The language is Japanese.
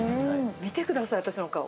見てください、私の顔。